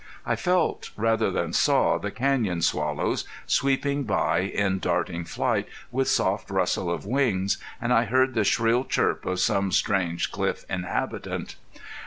I felt rather than saw the canyon swallows, sweeping by in darting flight, with soft rustle of wings, and I heard the shrill chirp of some strange cliff inhabitant.